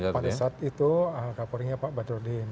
pada saat itu kapolrinya pak badrodin